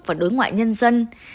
và đối ngoại nhân dân